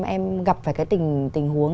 em gặp phải cái tình huống